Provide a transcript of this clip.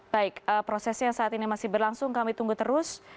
baik prosesnya saat ini masih berlangsung kami tunggu terus